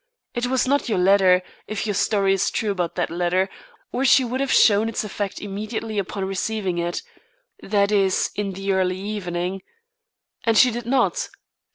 It was not your letter if your story is true about that letter or she would have shown its effect immediately upon receiving it; that is, in the early evening. And she did not.